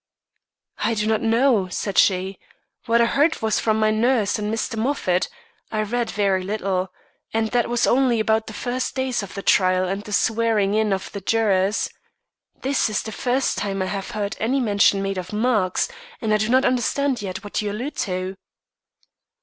"I do not know," said she. "What I heard was from my nurse and Mr. Moffat. I read very little, and that was only about the first days of the trial and the swearing in of jurors. This is the first time I have heard any mention made of marks, and I do not understand yet what you allude to."